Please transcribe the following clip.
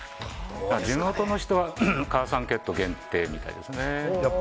地元の人はかーさんケット限定みたいですね。